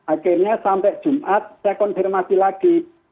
akhirnya sampai jumat saya konfirmasi lagi